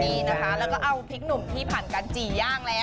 นี่นะคะแล้วก็เอาพริกหนุ่มที่ผ่านการจี่ย่างแล้ว